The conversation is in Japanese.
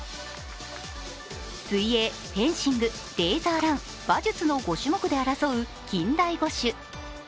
水泳、フェンシング、レーザーラン、馬術の５種目で争う近代五種。